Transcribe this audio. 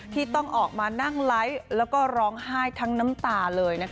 ที่ต้องออกมานั่งไลฟ์แล้วก็ร้องไห้ทั้งน้ำตาเลย